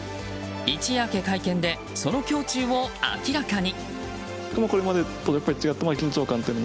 一夜明け、会見でその胸中を明らかに。